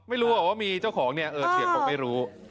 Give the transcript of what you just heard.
ไม่รู้หรอกว่ามีเจ้าของเนี่ยเออเสียงคงไม่รู้